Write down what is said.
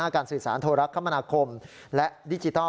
การสื่อสารโทรคมนาคมและดิจิทัล